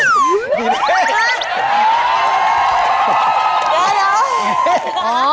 เยอะนั้น